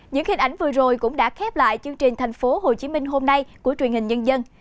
những hình ảnh vừa rồi cũng đã khép lại chương trình thành phố hồ chí minh hôm nay của truyền hình nhân dân